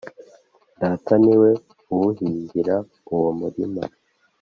Data ni we uwuhingira uwo murima